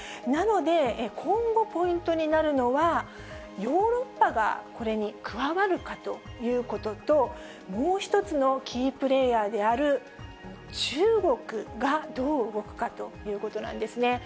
なので、今後、ポイントになるのは、ヨーロッパがこれに加わるかということと、もう一つのキープレーヤーである中国が、どう動くかということなんですね。